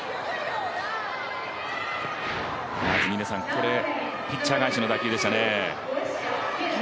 これ、ピッチャー返しの打球でしたね。